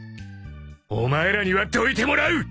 お前らにはどいてもらう！